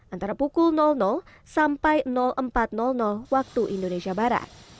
antara pukul sampai empat waktu indonesia barat